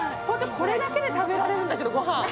ホント、これだけで食べられるんだけど、御飯。